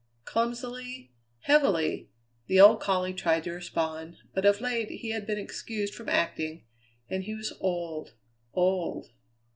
Clumsily, heavily, the old collie tried to respond, but of late he had been excused from acting; and he was old, old.